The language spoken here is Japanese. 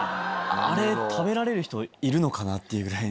あれ食べられる人いるのかなっていうぐらい。